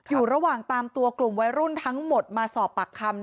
อยู่ระหว่างตามตัวกลุ่มวัยรุ่นทั้งหมดมาสอบปากคำ